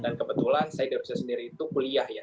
dan kebetulan saya di rusia sendiri itu kuliah ya